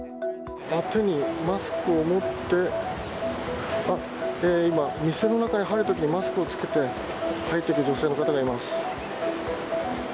手にマスクを持って、あっ、今、店の中に入るときにマスクを着けて、入っていく女性の方がいます。